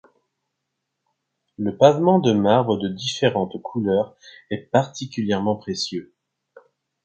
Le pavement de marbre de différentes couleurs est particulièrement précieux.